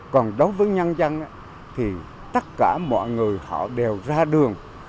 còn đối với nhân dân thì tất cả mọi người họ đều ra đường